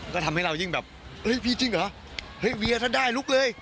ก็ทำให้เรายิ่งแบบพี่จริงเหรอเวียถ้าได้ลุกเลย